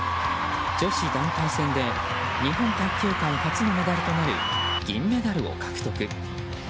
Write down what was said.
女子団体戦で日本卓球界初のメダルとなる銀メダルを獲得。